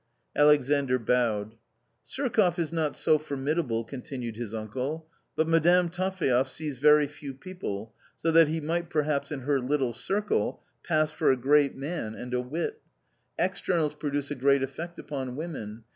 Alexandr bowed. " Surkoff is not so formidable," continued his uncle ; but Madame Taphaev sees very few people, so that he might perhaps in her little circle pass for a great man and a wit. l7o A COMMON STORY Externals produce a great effect upon women.